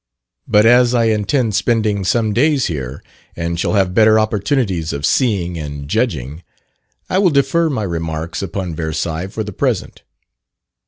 But as I intend spending some days here, and shall have better opportunities of seeing and judging, I will defer my remarks upon Versailles for the present.